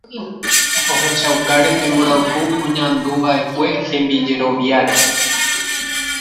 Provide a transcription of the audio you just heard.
ohechaukáre pe mborayhu oñanduva'ekue hembijeroviáre